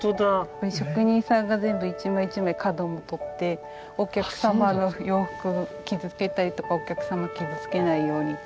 これ職人さんが全部１枚１枚角もとってお客様の洋服傷つけたりとかお客様傷つけないようにって。